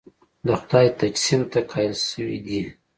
د خدای تجسیم ته قایل شوي دي.